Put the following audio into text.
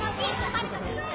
はるかピース！